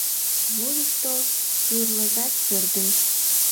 Вуйышто тӱрлыжат пӧрдеш.